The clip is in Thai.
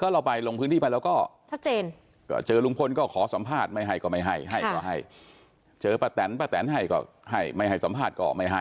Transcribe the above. ก็เราไปลงพื้นที่ไปแล้วก็ชัดเจนก็เจอลุงพลก็ขอสัมภาษณ์ไม่ให้ก็ไม่ให้ให้ก็ให้เจอป้าแตนป้าแตนให้ก็ให้ไม่ให้สัมภาษณ์ก็ไม่ให้